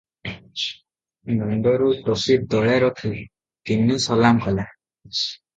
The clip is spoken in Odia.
ମୁଣ୍ଡରୁ ଟୋପି ତଳେ ରଖି ତିନି ସଲାମ କଲା ।